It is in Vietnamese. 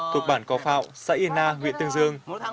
thuộc bản cò phạo xã yên na huyện tương dương